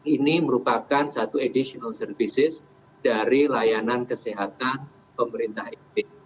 ini merupakan satu additional services dari layanan kesehatan pemerintah ini